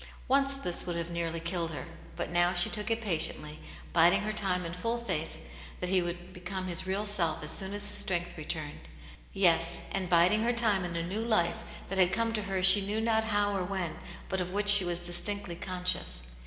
Once this would have nearly killed her, but now she took it patiently, biding her time in full faith that he would become his real self as soon as his strength returned. Yes, and biding her time in a new life that had come to her she knew not how or when, but of which she was distinctly conscious.